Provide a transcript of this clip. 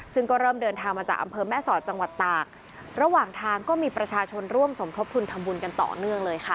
ซึ่งก็เริ่มเดินทางมาจากอำเภอแม่สอดจังหวัดตากระหว่างทางก็มีประชาชนร่วมสมทบทุนทำบุญกันต่อเนื่องเลยค่ะ